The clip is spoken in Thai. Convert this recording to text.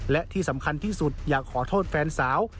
และที่สำคัญที่สุดอยากขอโทษแฟนสาว